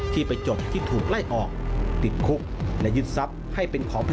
ที่ไปจบที่ถูกไล่ออก